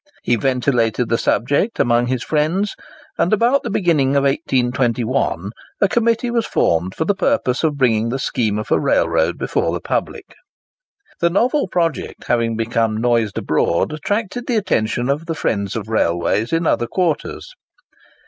He ventilated the subject amongst his friends, and about the beginning of 1821 a committee was formed for the purpose of bringing the scheme of a railroad before the public. The novel project having become noised abroad, attracted the attention of the friends of railways in other quarters.